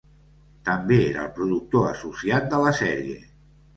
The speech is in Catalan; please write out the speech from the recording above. També era el productor associat de la sèrie.